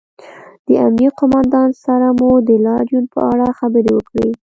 د امنیې قومندان سره مو د لاریون په اړه خبرې وکړې